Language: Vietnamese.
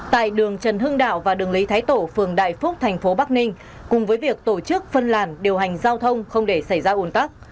tại đường trần hưng đạo và đường lý thái tổ phường đại phúc thành phố bắc ninh cùng với việc tổ chức phân làn điều hành giao thông không để xảy ra ồn tắc